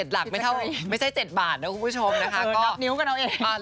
หลักไม่ใช่๗บาทนะคุณผู้ชมนะคะก็นิ้วกันเอาเอง